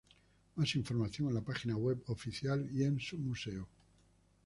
Más información en la página web oficial y en su museo.